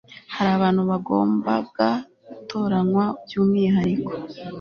Hari abantu bagombaga gutoranywa byumwihariko